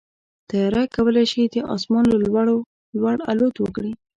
طیاره کولی شي د اسمان له لوړو لوړ الوت وکړي.